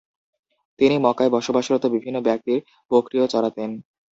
তিনি মক্কায় বসবাসরত বিভিন্ন ব্যক্তির বকরিও চরাতেন।